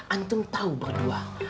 antung tahu berdua